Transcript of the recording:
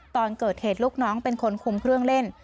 ตอนเกิดเหตุลูกน้องเป็นคนคุมเครื่องเล่น